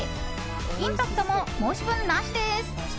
インパクトも申し分なしです。